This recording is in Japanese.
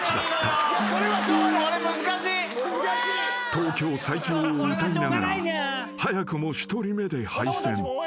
［東京最強をうたいながら早くも１人目で敗戦］